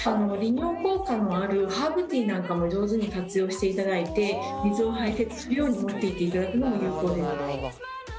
利尿効果のあるハーブティーなんかも上手に活用していただいて水を排せつするようにもっていっていただくのも有効ですね。